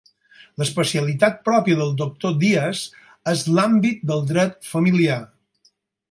L'especialitat pròpia del doctor Dias és l'àmbit del dret familiar.